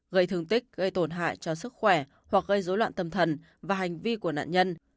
gây thương tích gây tổn hại cho sức khỏe hoặc gây dối loạn tâm thần và hành vi của nạn nhân